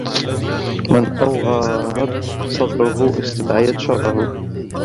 مَنْ أَوْغَرْت صَدْرَهُ اسْتَدْعَيْت شَرَّهُ